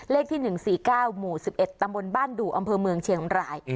เลขที่๑๔๙หมู่๑๑ตำบลบ้านดู่อำเภอเมืองเชียงราย